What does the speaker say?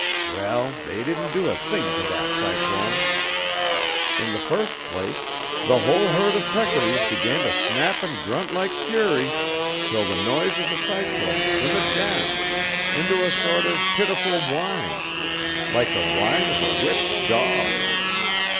Well, they didn't do a thing to that cyclone. In the first place the whole herd of peccaries began to snap and grunt laik fury till the noise of the cyclone simmahd down into a sort of pitiful whine, laik the whine of a whipped dog.